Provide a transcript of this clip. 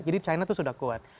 jadi china itu sudah kuat